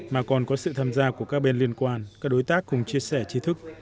mà còn có sự tham gia của các bên liên quan các đối tác cùng chia sẻ trí thức